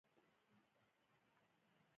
هغه راته ځينې کتابونه هم راوړي وو.